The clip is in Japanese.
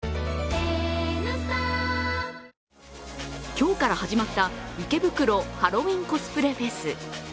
今日から始まった池袋ハロウィンコスプレフェス。